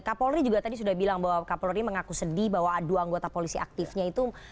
kapolri juga tadi sudah bilang bahwa kapolri mengaku sedih bahwa adu anggota polisi aktifnya itu